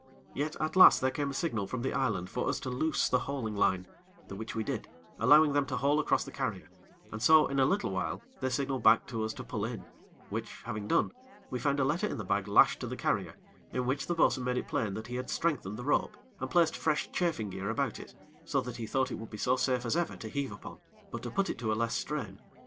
Yet, at last there came a signal from the island for us to loose the hauling line, the which we did, allowing them to haul across the carrier, and so, in a little while, they signaled back to us to pull in, which, having done, we found a letter in the bag lashed to the carrier, in which the bo'sun made it plain that he had strengthened the rope, and placed fresh chafing gear about it, so that he thought it would be so safe as ever to heave upon; but to put it to a less strain.